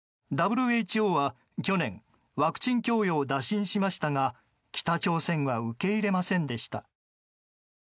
ＷＨＯは去年ワクチン供与を打診しましたが北朝鮮は受け入れませんでした。